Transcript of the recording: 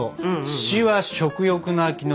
「シ」は食欲の秋の「シ」。